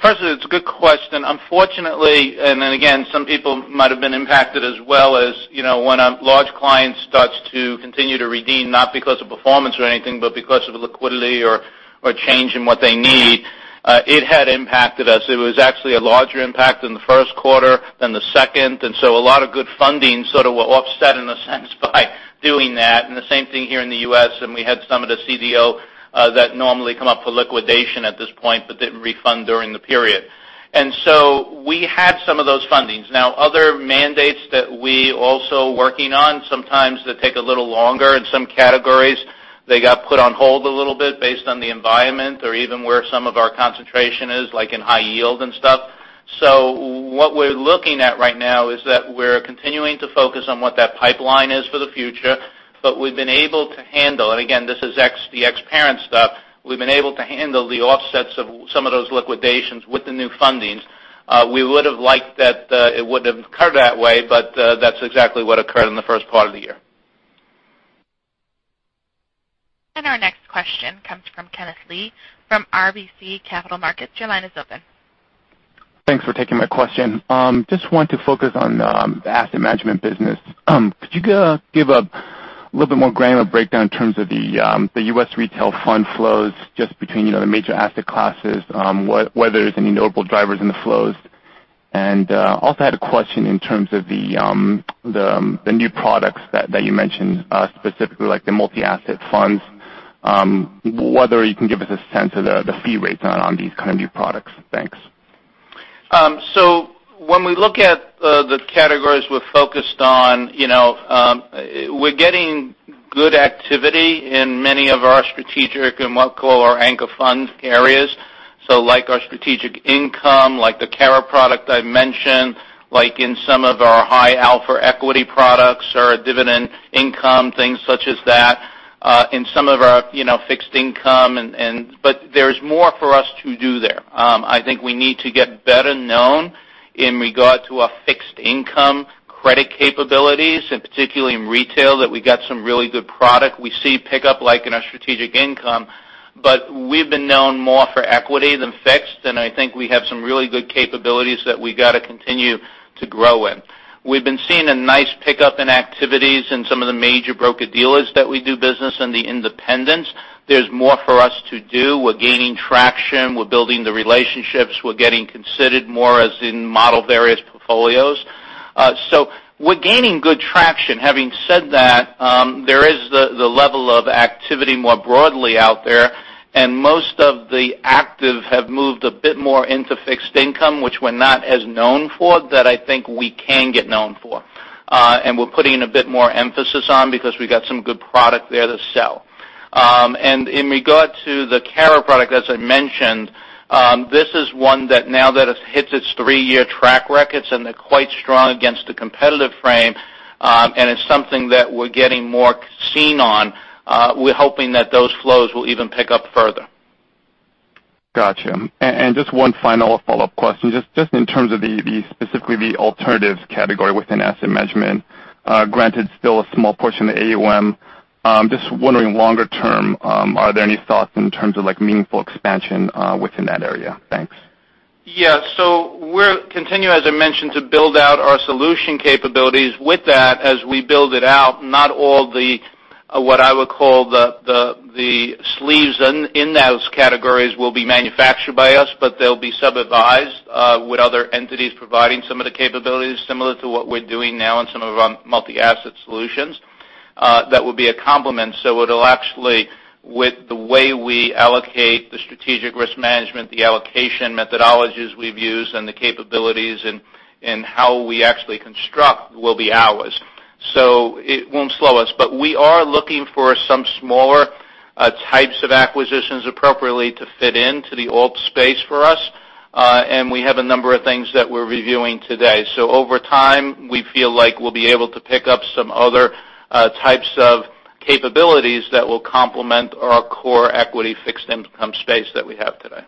Firstly, it's a good question. Unfortunately, some people might have been impacted as well as when a large client starts to continue to redeem, not because of performance or anything, because of liquidity or a change in what they need. It had impacted us. It was actually a larger impact in the first quarter than the second. A lot of good funding sort of were offset in a sense by doing that. The same thing here in the U.S., we had some of the CDO that normally come up for liquidation at this point, didn't refund during the period. We had some of those fundings. Other mandates that we are working on, sometimes they take a little longer. In some categories, they got put on hold a little bit based on the environment or even where some of our concentration is, like in high yield and stuff. What we're looking at right now is that we're continuing to focus on what that pipeline is for the future, but we've been able to handle. Again, this is the ex-parent stuff. We've been able to handle the offsets of some of those liquidations with the new fundings. We would've liked that it wouldn't have occurred that way, that's exactly what occurred in the first part of the year. Our next question comes from Kenneth Lee from RBC Capital Markets. Your line is open. Thanks for taking my question. Just want to focus on the asset management business. Could you give a little bit more granular breakdown in terms of the U.S. retail fund flows just between the major asset classes whether there's any notable drivers in the flows? Also had a question in terms of the new products that you mentioned, specifically like the multi-asset funds, whether you can give us a sense of the fee rates on these kind of new products. Thanks. When we look at the categories we're focused on, we're getting good activity in many of our strategic and what we call our anchor fund areas. Like our strategic income, like the CARA product I mentioned, like in some of our high alpha equity products or our dividend income, things such as that, in some of our fixed income, there's more for us to do there. I think we need to get better known in regard to our fixed income credit capabilities, particularly in retail, that we got some really good product. We see pickup like in our strategic income, we've been known more for equity than fixed. I think we have some really good capabilities that we got to continue to grow in. We've been seeing a nice pickup in activities in some of the major broker-dealers that we do business and the independents. There's more for us to do. We're gaining traction. We're building the relationships. We're getting considered more as in model various portfolios. We're gaining good traction. Having said that, there is the level of activity more broadly out there, most of the active have moved a bit more into fixed income, which we're not as known for, that I think we can get known for. We're putting a bit more emphasis on because we got some good product there to sell. In regard to the CARA product, as I mentioned, this is one that now that it hits its three-year track records, and they're quite strong against the competitive frame. It's something that we're getting more seen on. We're hoping that those flows will even pick up further. Got you. Just one final follow-up question. Just in terms of specifically the alternatives category within asset management. Granted, still a small portion of the AUM. Wondering longer term, are there any thoughts in terms of meaningful expansion within that area? Thanks. Yeah. We're continuing, as I mentioned, to build out our solution capabilities. With that, as we build it out, not all the, what I would call the sleeves in those categories will be manufactured by us, but they'll be sub-advised, with other entities providing some of the capabilities similar to what we're doing now in some of our multi-asset solutions. That will be a complement. It'll actually, with the way we allocate the strategic risk management, the allocation methodologies we've used, and the capabilities and how we actually construct will be ours. It won't slow us. We are looking for some smaller types of acquisitions appropriately to fit into the alt space for us. We have a number of things that we're reviewing today. Over time, we feel like we'll be able to pick up some other types of capabilities that will complement our core equity fixed income space that we have today.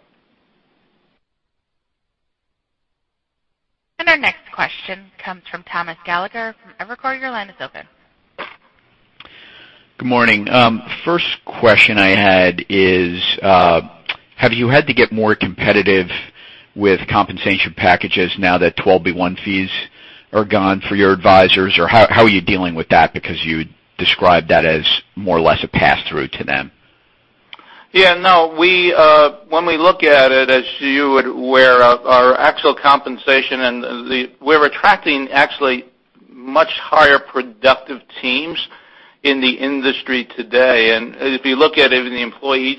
Our next question comes from Thomas Gallagher from Evercore. Your line is open. Good morning. First question I had is, have you had to get more competitive with compensation packages now that 12b-1 fees are gone for your advisors? How are you dealing with that? Because you described that as more or less a pass-through to them. Yeah. When we look at it, as you would aware of our actual compensation, we're attracting actually much higher productive teams in the industry today. If you look at it in the employee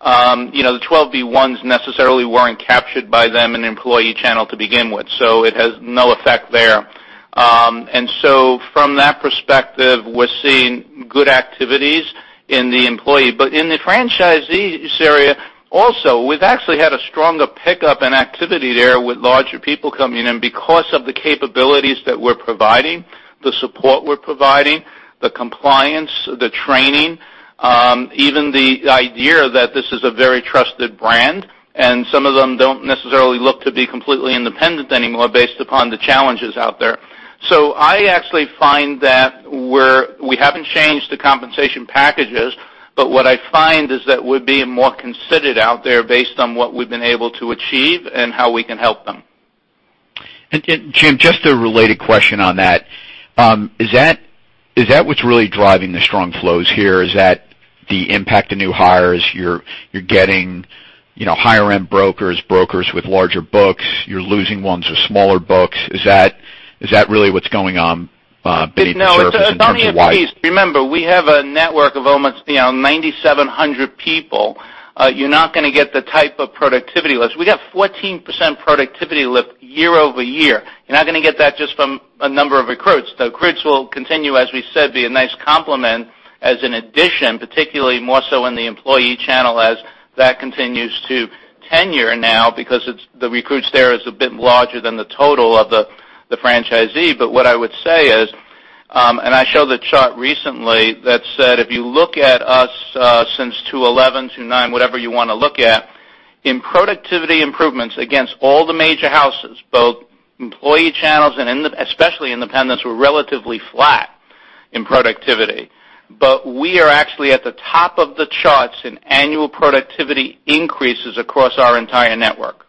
channel, the 12b-1s necessarily weren't captured by them in the employee channel to begin with. It has no effect there. From that perspective, we're seeing good activities in the employee. In the franchisees area also, we've actually had a stronger pickup in activity there with larger people coming in because of the capabilities that we're providing, the support we're providing, the compliance, the training, even the idea that this is a very trusted brand, and some of them don't necessarily look to be completely independent anymore based upon the challenges out there. I actually find that we haven't changed the compensation packages, but what I find is that we're being more considered out there based on what we've been able to achieve and how we can help them. Jim, just a related question on that. Is that what's really driving the strong flows here? Is that the impact of new hires? You're getting higher end brokers with larger books, you're losing ones with smaller books. Is that really what's going on beneath the surface in terms of why? It's only a piece. Remember, we have a network of almost 9,700 people. You're not going to get the type of productivity lift. We got 14% productivity lift year-over-year. You're not going to get that just from a number of recruits, though recruits will continue, as we said, be a nice complement as an addition, particularly more so in the employee channel as that continues to tenure now because the recruits there is a bit larger than the total of the franchisee. What I would say is, and I showed the chart recently that said, if you look at us since 2011, 2009, whatever you want to look at, in productivity improvements against all the major houses, both employee channels and especially independents, were relatively flat in productivity. We are actually at the top of the charts in annual productivity increases across our entire network.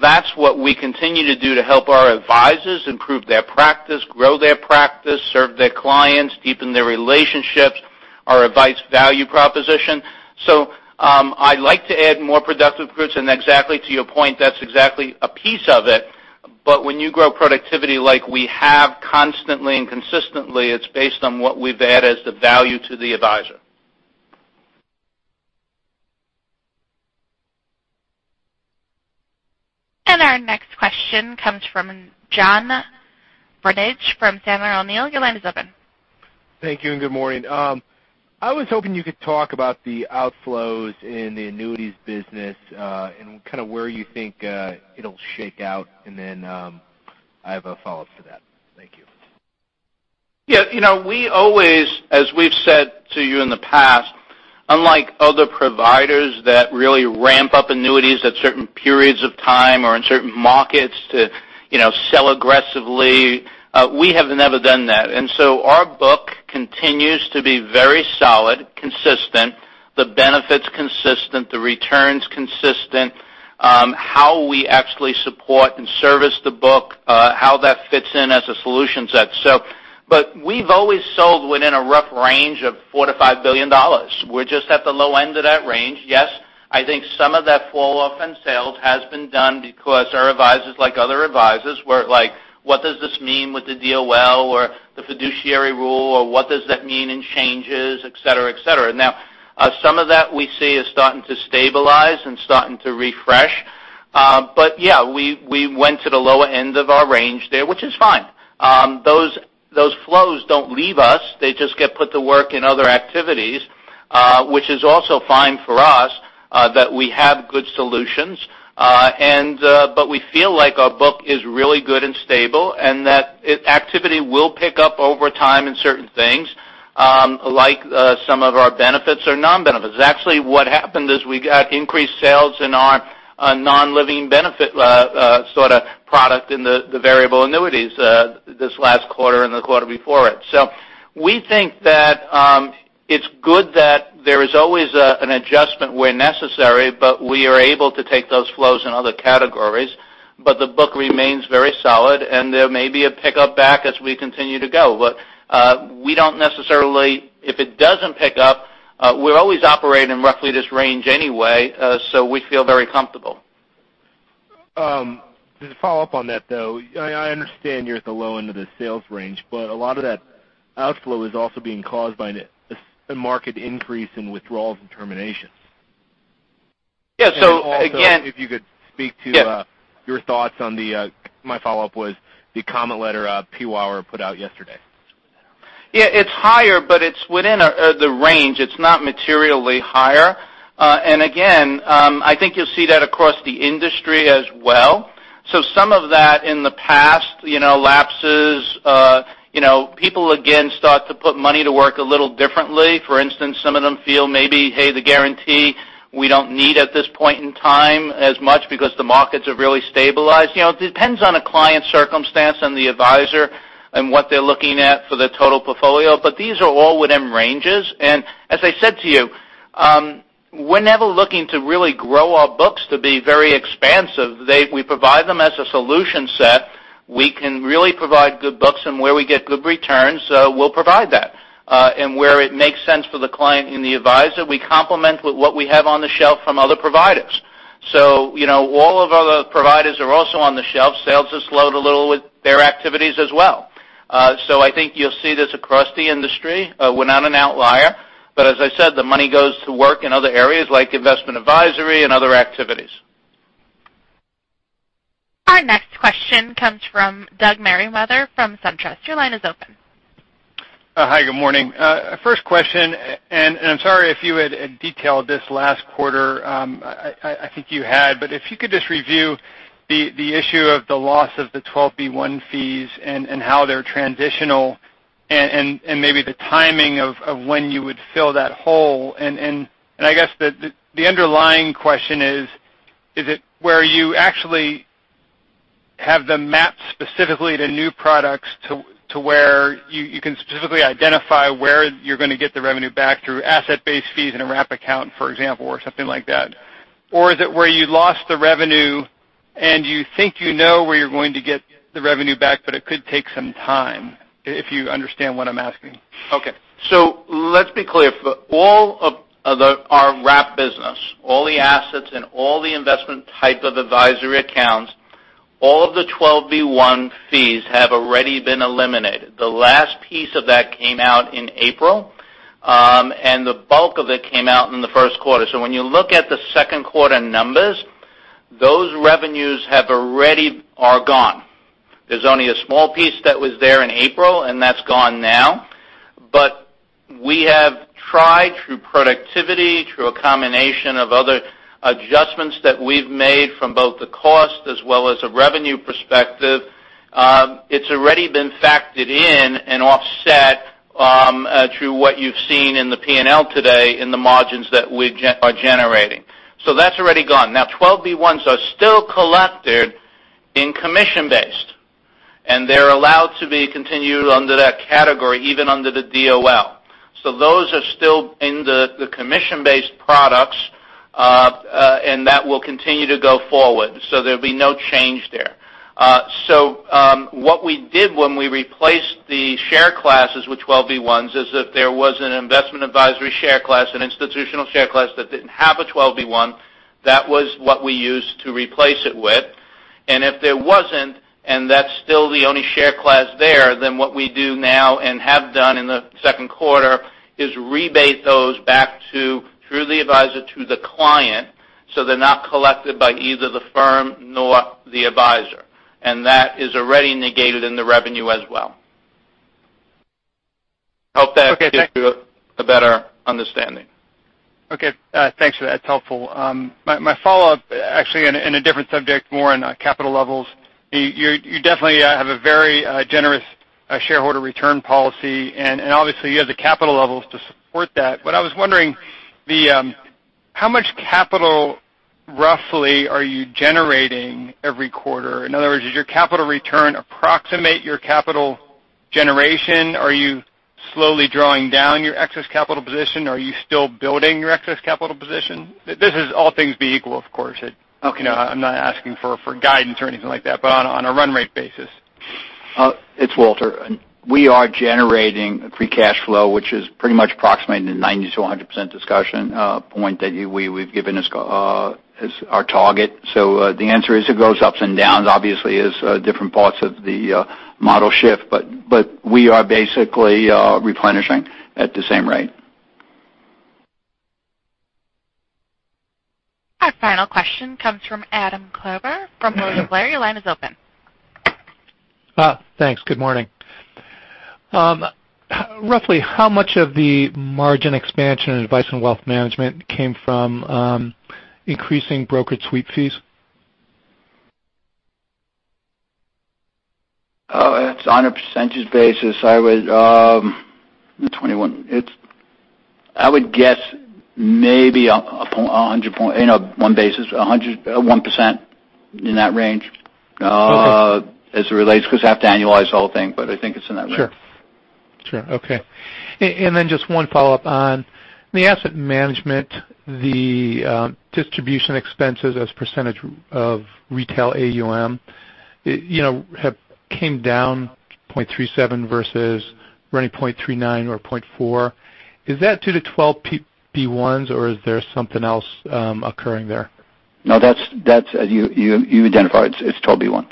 That's what we continue to do to help our advisors improve their practice, grow their practice, serve their clients, deepen their relationships, our advice value proposition. I'd like to add more productive groups, and exactly to your point, that's exactly a piece of it. When you grow productivity like we have constantly and consistently, it's based on what we've added as the value to the advisor. Our next question comes from John Barnidge from Sandler O'Neill. Your line is open. Thank you, and good morning. I was hoping you could talk about the outflows in the annuities business, and where you think it'll shake out, and then I have a follow-up to that. Thank you. Yeah. We always, as we've said to you in the past, unlike other providers that really ramp up annuities at certain periods of time or in certain markets to sell aggressively, we have never done that. Our book continues to be very solid, consistent, the benefits consistent, the returns consistent, how we actually support and service the book, how that fits in as a solution set. We've always sold within a rough range of $4 billion-$5 billion. We're just at the low end of that range. Yes, I think some of that falloff in sales has been done because our advisors, like other advisors, were like, "What does this mean with the DOL or the fiduciary rule, or what does that mean in changes?" et cetera. Now, some of that we see is starting to stabilize and starting to refresh. Yeah, we went to the lower end of our range there, which is fine. Those flows don't leave us. They just get put to work in other activities, which is also fine for us, that we have good solutions. We feel like our book is really good and stable, and that activity will pick up over time in certain things, like some of our benefits or non-benefits. Actually, what happened is we got increased sales in our non-living benefit sort of product in the variable annuities, this last quarter and the quarter before it. We think that it's good that there is always an adjustment where necessary, but we are able to take those flows in other categories. The book remains very solid, and there may be a pickup back as we continue to go. We don't necessarily, if it doesn't pick up, we always operate in roughly this range anyway, so we feel very comfortable. Just to follow up on that, though. I understand you're at the low end of the sales range, but a lot of that outflow is also being caused by a market increase in withdrawals and terminations. Yeah. If you could speak to. Yeah Your thoughts on the, my follow-up was the comment letter PCAOB put out yesterday? Yeah, it's higher, but it's within the range. It's not materially higher. Again, I think you'll see that across the industry as well. Some of that in the past, lapses, people again start to put money to work a little differently. For instance, some of them feel maybe, hey, the guarantee we don't need at this point in time as much because the markets have really stabilized. It depends on a client's circumstance and the advisor and what they're looking at for their total portfolio. These are all within ranges, and as I said to you, we're never looking to really grow our books to be very expansive. We provide them as a solution set. We can really provide good books, and where we get good returns, we'll provide that. Where it makes sense for the client and the advisor, we complement with what we have on the shelf from other providers. All of our providers are also on the shelf. Sales have slowed a little with their activities as well. I think you'll see this across the industry. We're not an outlier, but as I said, the money goes to work in other areas like investment advisory and other activities. Our next question comes from Doug Merriweather from SunTrust. Your line is open. Hi, good morning. First question, I'm sorry if you had detailed this last quarter, I think you had, if you could just review the issue of the loss of the 12b-1 fees and how they're transitional, maybe the timing of when you would fill that hole. I guess the underlying question is it where you actually have them mapped specifically to new products to where you can specifically identify where you're going to get the revenue back through asset-based fees in a wrap account, for example, or something like that? Is it where you lost the revenue, you think you know where you're going to get the revenue back, it could take some time? If you understand what I'm asking. Okay. Let's be clear. For all of our wrap business, all the assets and all the investment type of advisory accounts, all of the 12b-1 fees have already been eliminated. The last piece of that came out in April, the bulk of it came out in the first quarter. When you look at the second quarter numbers, those revenues have already gone. There's only a small piece that was there in April, that's gone now. We have tried, through productivity, through a combination of other adjustments that we've made from both the cost as well as a revenue perspective. It's already been factored in and offset through what you've seen in the P&L today in the margins that we are generating. That's already gone. Now, 12b-1s are still collected in commission-based, they're allowed to be continued under that category, even under the DOL. Those are still in the commission-based products, that will continue to go forward. There'll be no change there. What we did when we replaced the share classes with 12b-1s is that there was an investment advisory share class and institutional share class that didn't have a 12b-1. That was what we used to replace it with. If there wasn't, that's still the only share class there, what we do now and have done in the second quarter is rebate those back through the advisor to the client, so they're not collected by either the firm nor the advisor. That is already negated in the revenue as well. Hope that gives you a better understanding. Okay, thanks for that. It's helpful. My follow-up, actually in a different subject, more on capital levels. You definitely have a very generous shareholder return policy, obviously, you have the capital levels to support that. I was wondering how much capital, roughly, are you generating every quarter? In other words, does your capital return approximate your capital generation? Are you slowly drawing down your excess capital position? Are you still building your excess capital position? This is all things being equal, of course. Okay. I'm not asking for guidance or anything like that, on a run rate basis. It's Walter. We are generating free cash flow, which is pretty much approximating the 90%-100% discussion point that we've given as our target. The answer is it goes ups and downs, obviously, as different parts of the model shift, but we are basically replenishing at the same rate. Our final question comes from Adam Clover from Rosenblatt. Your line is open. Thanks. Good morning. Roughly how much of the margin expansion in Advice & Wealth Management came from increasing brokerage sweep fees? It's on a percentage basis. I would 21. I would guess maybe on one basis, 1% in that range. Okay as it relates because I have to annualize the whole thing, but I think it's in that range. Sure. Okay. Then just one follow-up on the asset management, the distribution expenses as % of retail AUM came down 0.37 versus running 0.39 or 0.4. Is that due to 12b-1s, or is there something else occurring there? No, you identified it. It's 12b-1.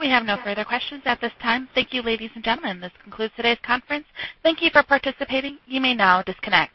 We have no further questions at this time. Thank you, ladies and gentlemen. This concludes today's conference. Thank you for participating. You may now disconnect.